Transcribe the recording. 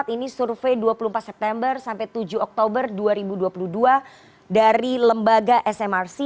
ini survei dua puluh empat september sampai tujuh oktober dua ribu dua puluh dua dari lembaga smrc